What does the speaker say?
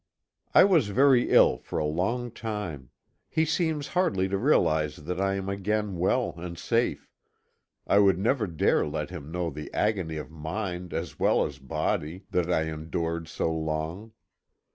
I was very ill for a long time. He seems hardly to realize that I am again well and safe. I would never dare let him know the agony of mind as well as body, that I endured so long.